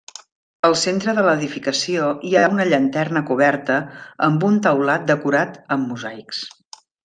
Al centre de l'edificació hi ha una llanterna coberta amb un teulat decorat amb mosaics.